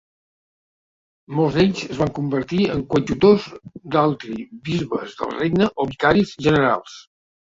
Molts d'ells es van convertir en coadjutors d'Altri bisbes del regne o vicaris generals.